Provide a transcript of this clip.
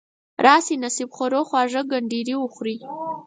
راشئ نصیب خورو خواږه کنډیري وخورئ.